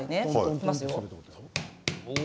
いきますよ。